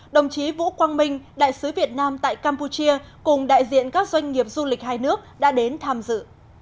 đồng chí vũ quang minh đại sứ việt nam tại campuchia cùng đại diện các doanh nghiệp du lịch hai nước đã đến tham dự